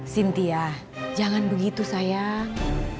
sintia jangan begitu sayang